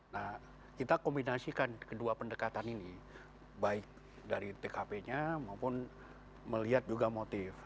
nah kita kombinasikan kedua pendekatan ini baik dari tkp nya maupun melihat juga motif